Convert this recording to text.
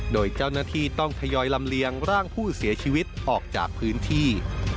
โดยเจ้าหน้าที่ต้องทยอยลำเลียงร่างผู้เสียชีวิตออกจากพื้นที่